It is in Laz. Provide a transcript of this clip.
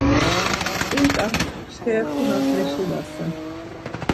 Ç̌inǩa mşkerepunas meşilasen.